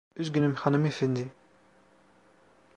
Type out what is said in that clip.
Üzgünüm hanımefendi.